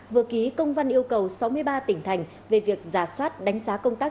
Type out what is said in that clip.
vừa ký công văn yêu cầu sáu mươi ba tỉnh thành về việc giả soát đánh giá công tác